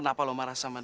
kenapa lo marah sama dia